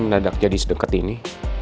menadak jadi sedeket ini